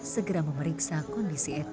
segera memeriksa kondisi eti